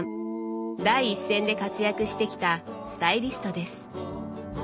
第一線で活躍してきたスタイリストです。